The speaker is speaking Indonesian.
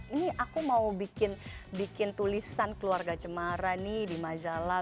ini aku mau bikin tulisan keluarga cemara nih di majalah